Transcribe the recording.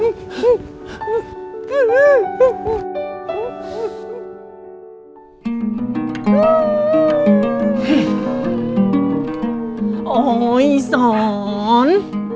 อุ๊ยอีสอน